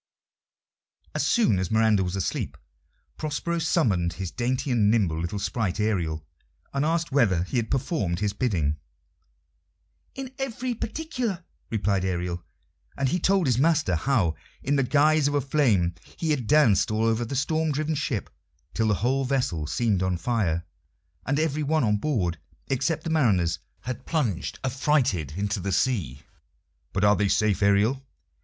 As soon as Miranda was asleep, Prospero summoned his dainty and nimble little sprite, Ariel, and asked whether he had performed his bidding. "In every particular," replied Ariel; and he told his master how, in the guise of a flame, he had danced all over the storm driven ship till the whole vessel seemed on fire, and every one on board except the mariners had plunged affrighted into the sea. "But are they safe, Ariel?"